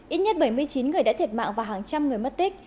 ít nhất bảy mươi chín người đã thiệt mạng và hàng trăm người mất tích